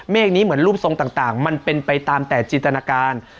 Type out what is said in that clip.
นี้เหมือนรูปทรงต่างมันเป็นไปตามแต่จินตนาการ